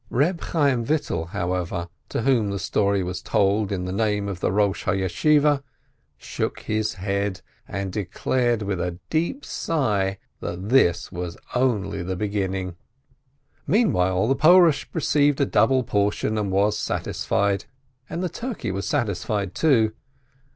Eeb Chayyim Vital, however, to whom the story was told in the name of the Eosh ha Yeshiveh, shook his head, and declared with a deep sigh that this was only the beginning! Meanwhile the Porush received a double portion and was satisfied, and the turkey was satisfied, too.